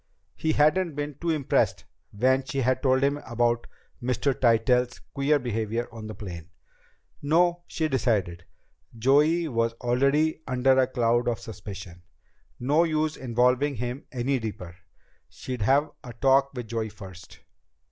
He hadn't been too impressed when she had told him about Mr. Tytell's queer behavior on the plane. No, she decided. Joey was already under a cloud of suspicion. No use involving him any deeper. She'd have a talk with Joey first.